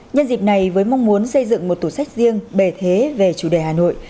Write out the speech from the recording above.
nhân dịp này với mong muốn xây dựng một tủ sách riêng bề thế về chủ đề hà nội